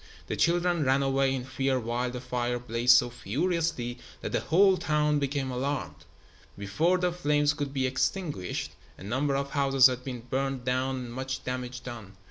The children ran away in fear while the fire blazed so furiously that the whole town became alarmed. Before the flames could be extinguished, a number of houses had been burned down and much damage done.